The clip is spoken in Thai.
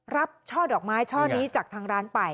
ช่อดอกไม้ช่อนี้จากทางร้านไป